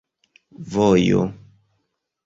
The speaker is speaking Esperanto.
vojo